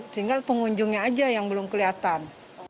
tinggal pengunjungnya aja yang belum kelihatan